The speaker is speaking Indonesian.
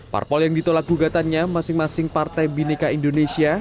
parpol yang ditolak gugatannya masing masing partai bineka indonesia